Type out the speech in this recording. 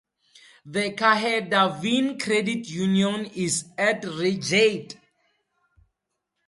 The Caherdavin Credit Union is at Redgate.